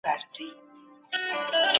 کمپيوټر د زړو سره مرسته کوي.